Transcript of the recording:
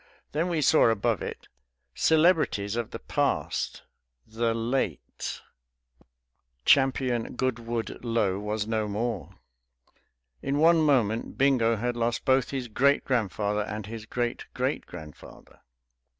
Then we saw above it, "Celebrities of the Past. The Late " Champion Goodwood Lo was no more! In one moment Bingo had lost both his great grandfather and his great great grandfather!